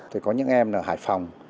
thì có những em ở hải phòng